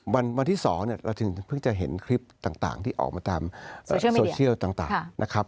วันที่๒เราถึงเพิ่งจะเห็นคลิปต่างที่ออกมาตามโซเชียลต่างนะครับ